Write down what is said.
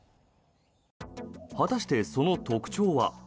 果たしてその特徴は。